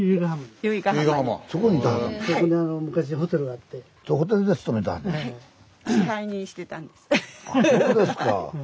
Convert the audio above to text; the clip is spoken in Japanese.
あっそうですか。